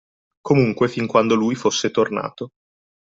Comunque fin quando lui fosse tornato